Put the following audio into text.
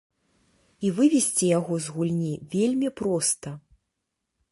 І вывесці яго з гульні вельмі проста.